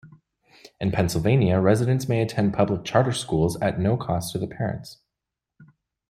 In Pennsylvania residents may attend public charter schools at no cost to the parents.